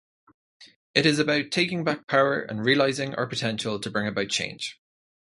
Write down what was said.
It is about taking back power and realising our potential to bring about change.